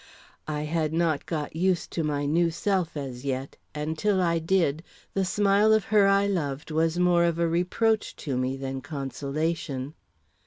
I had not got used to my new self as yet, and till I did, the smile of her I loved was more of a reproach to me than consolation.